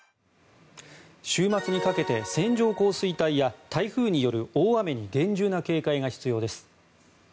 週末にかけて線状降水帯や台風による大雨に厳重な警戒が必要です。